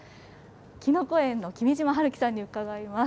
きのこ園の君嶋治樹さんに伺います。